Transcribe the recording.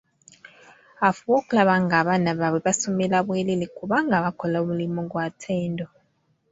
Afube okulaba ng'abaana baabwe basomera bwereere kubanga bakola omulimu gwa ttendo.